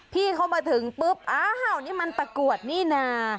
พี่เขามาถึงปุ๊บอ้าวนี่มันตะกรวดนี่นะ